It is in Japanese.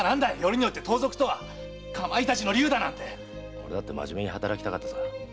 俺だってまじめに働きたかったさ。